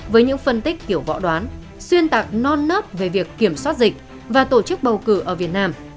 với những phân tích tiểu võ đoán xuyên tạc non nớt về việc kiểm soát dịch và tổ chức bầu cử ở việt nam